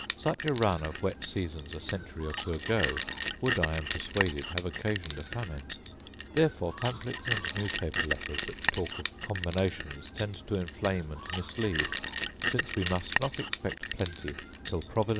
Such a run of wet seasons a century or two ago would, I am persuaded, have occasioned a famine. Therefore pamphlets and newspaper letters, that talk of combinations, tend to inflame and mislead; since we must not expect plenty till Providence sends us more favourable seasons.